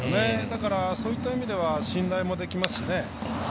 だからそういった意味では信頼もできますし。